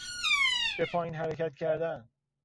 به پایین حرکت کردن